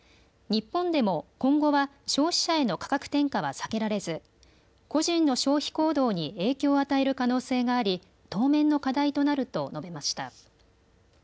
日本でも今後は消費者への価格転嫁は避けられず個人の消費行動に影響を与える可能性があり、当面の課題となると述べました。